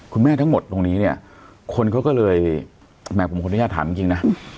คุณแม่ทั้งหมดตรงนี้เนี่ยคนเขาก็เลยแหมผมควรอย่าถามจริงนะ